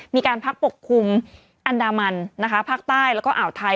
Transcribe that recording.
มีการพักปกคลุมอันดามันนะคะภาคใต้แล้วก็อ่าวไทย